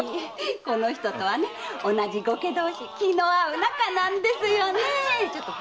この人はね同じ後家同志気の合う仲なんですよねえ？